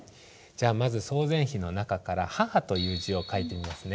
じゃあまず「曹全碑」の中から「母」という字を書いてみますね。